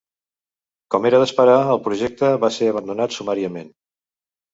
Com era d'esperar, el projecte va ser abandonat sumàriament.